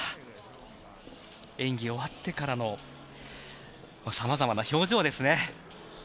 演技終わってからのさまざまな表情ですね。